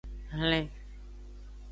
Hlen.